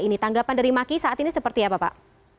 ini tanggapan dari maki saat ini seperti apa pak